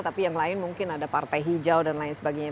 tapi yang lain mungkin ada partai hijau dan lain sebagainya